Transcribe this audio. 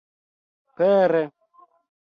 pere